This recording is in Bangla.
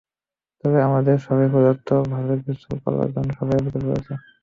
তবে আমাদের সবাই ক্ষুধার্ত, ভালো কিছু করার জন্য সবাই অপেক্ষা করছে।